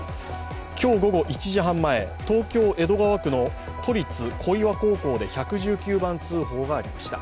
今日午後１時半前東京・江戸川区の都立小岩高校で１１９番通報がありました。